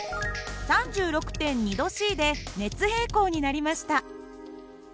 ３６．２℃で熱平衡になりました。